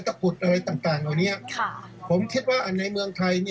ตะกรุดอะไรต่างตัวเนี่ยขาผมคิดว่าอันในเมืองไทย